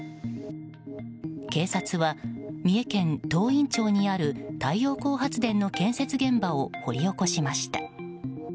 警察は三重県東員町にある太陽光発電の建設現場を掘り起こしました。